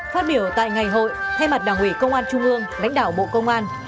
phát biểu tại ngày hội thay mặt đảng ủy công an trung ương lãnh đạo bộ công an